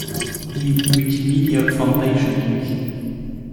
Die "Wikimedia Foundation Inc.